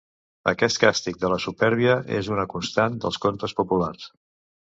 Aquest càstig de la supèrbia és una constant dels contes populars.